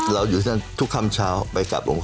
อยู่ที่นั่นทุกคำเช้าไปกลับหลวงพ่อ